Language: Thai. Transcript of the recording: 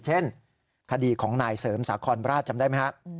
เช่นคดีของนายเสริมสาคอนราชจำได้ไหมครับ